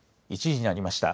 １時になりました。